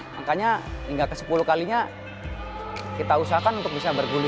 makanya hingga ke sepuluh kalinya kita usahakan untuk bisa bergulir